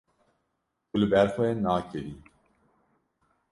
Tu li ber xwe nakevî.